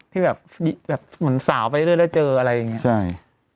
ที่แบบเหมือนสาวไปเรื่อยแล้วเจออะไรอย่างเงี้ใช่